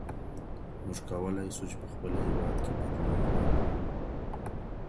موږ کولای سو چي په خپل هېواد کي بدلون راولو.